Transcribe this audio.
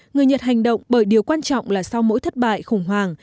người nhật hành động bởi điều quan trọng là sau mỗi thất bại khủng hoảng